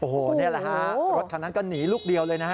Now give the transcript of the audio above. โอ้โหนี่แหละฮะรถคันนั้นก็หนีลูกเดียวเลยนะฮะ